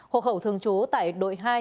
hộ khẩu thường chú tại đội hai